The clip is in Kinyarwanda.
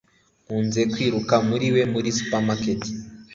nkunze kwiruka muri we muri supermarket